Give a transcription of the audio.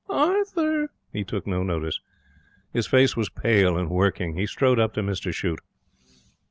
'Arthur!' He took no notice. His face was pale and working. He strode up to Mr Shute.